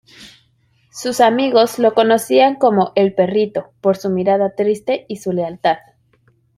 Sus amigos lo conocían como "el perrito" por su mirada triste y su lealtad.